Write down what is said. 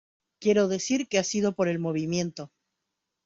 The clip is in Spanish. quiero decir que ha sido por el movimiento.